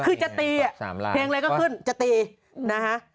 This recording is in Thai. คือจะตีเพลงอะไรก็ขึ้นจะตีนะฮะ